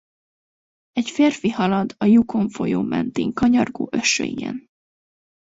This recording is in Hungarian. Egy férfi halad a Yukon folyó mentén kanyargó ösvényen.